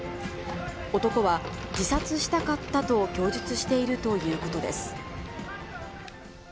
男は自殺したかったと供述しているということです。